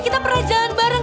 kita pernah jalan bareng